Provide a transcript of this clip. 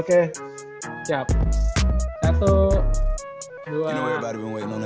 kita foto dulu bung ya